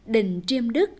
đình triêm đức